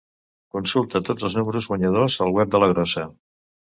Consulta tots els números guanyadors al web de la Grossa.